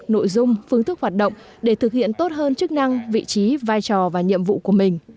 nội dung phương thức hoạt động để thực hiện tốt hơn chức năng vị trí vai trò và nhiệm vụ của mình